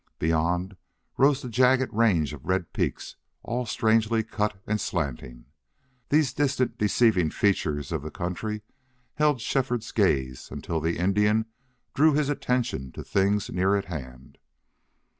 Beyond rose the jagged range of red peaks, all strangely cut and slanting. These distant deceiving features of the country held Shefford's gaze until the Indian drew his attention to things near at hand.